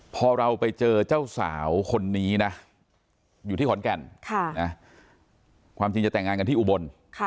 พอเราไปเจอเจ้าสาวคนนี้นะอยู่ที่ขอนแก่นความจริงจะแต่งงานกันที่อุบล